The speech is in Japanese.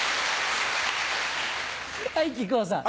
はい木久扇さん。